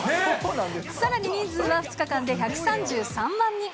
さらに人数は２日間で１３３万人。